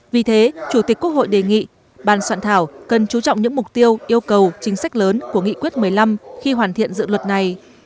vì thế chủ tịch quốc hội đề nghị ban soạn thảo cần chú trọng những mục tiêu yêu cầu chính sách lớn của nghị quyết một mươi năm khi hoàn thiện dự luật này